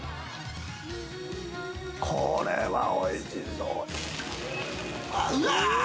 これはおいしそう。